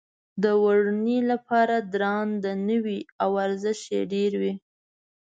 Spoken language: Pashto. د وړنې لپاره درانده نه وي او ارزښت یې ډېر وي.